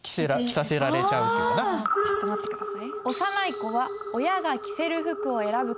ちょっと待って下さい。